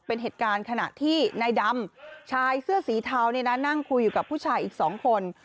เป็นเหตุการณ์ขณะที่ในดำชายเสื้อสีเทาเนี่ยนะนั่งคุยกับผู้ชายอีก๒คน